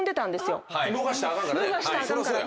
逃したらあかんからね。